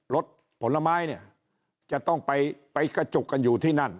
ผลไม้เนี่ยจะต้องไปกระจุกกันอยู่ที่นั่น